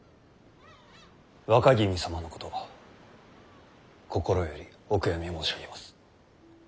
若君様のこと心よりお悔やみ申し上げます。